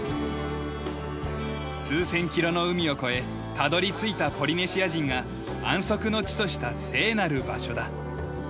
数千キロの海を越えたどり着いたポリネシア人が安息の地とした聖なる場所だ。